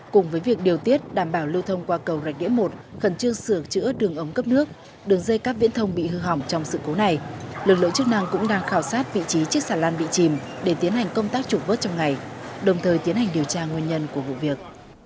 cùng với việc điều tiết đảm bảo lưu thông qua cầu rạch đĩa một khẩn trương sửa chữa đường ống cấp nước đường dây cắp viễn thông bị hư hỏng trong sự cố này lực lượng chức năng cũng đang khảo sát vị trí chiếc xà lan bị chìm để tiến hành công tác trục vớt trong ngày đồng thời tiến hành điều tra nguyên nhân của vụ việc